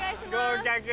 合格。